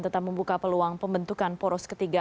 tetap membuka peluang pembentukan poros ketiga